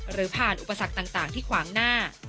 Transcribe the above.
หรือผ่านอุปสรรคต่างที่ขวางหน้า